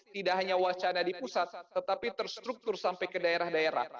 tidak hanya wacana di pusat tetapi terstruktur sampai ke daerah daerah